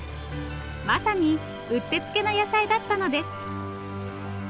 まさにうってつけの野菜だったのです。